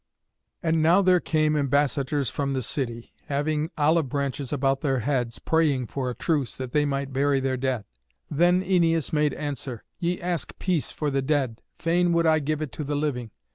And now there came ambassadors from the city, having olive branches about their heads, praying for a truce, that they might bury their dead. Then Æneas made answer, "Ye ask peace for the dead; fain would I give it to the living.